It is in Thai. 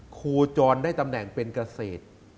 โคจรได้ตำแหน่งเป็นเกษตร